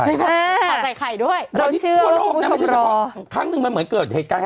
อ่าข่าวใส่ไข่ด้วยเราเชื่อผู้ชมรอบครั้งหนึ่งมันเหมือนเกิดเหตุการณ์ค่ะ